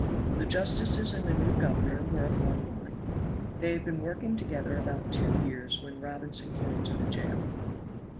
The justices and the new governor were of one mind. They had been working together about two years when Robinson came into the jail.